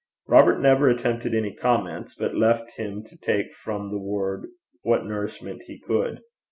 Robert never attempted any comments, but left him to take from the word what nourishment he could.